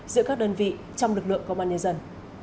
giữa các đơn vị trong lực lượng công an nhân dân